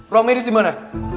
ruang medis dimana